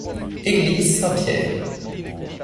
Église Saint-Pierre.